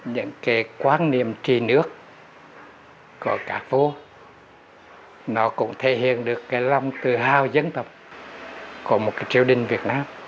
những cái quan niệm trì nước của các vua nó cũng thể hiện được cái lòng tự hào dân tộc của một cái triều đình việt nam